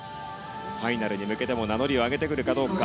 ファイナルに向けても名乗りを上げてくるかどうか。